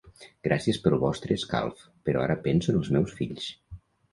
Gràcies pel vostre escalf, però ara penso en els meus fills.